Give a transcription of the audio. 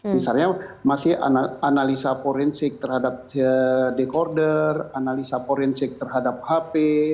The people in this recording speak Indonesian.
misalnya masih analisa forensik terhadap dekorder analisa forensik terhadap hp